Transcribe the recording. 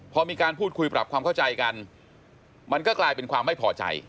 พอมีการพูดคุยปรับความเข้าใจกันมันก็กลายเป็นความไม่พอใจ